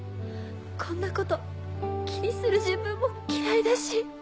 こんなこと気にする自分も嫌いだし。